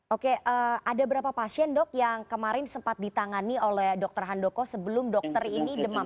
oke ada berapa pasien dok yang kemarin sempat ditangani oleh dokter handoko sebelum dokter ini demam